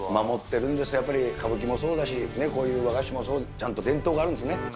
守ってるんですよ、やっぱり、歌舞伎もそうだし、こういう和菓子もそう、ちゃんと伝統があるんですね。